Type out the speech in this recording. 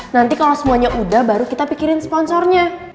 nanti kalau semuanya udah baru kita pikirin sponsornya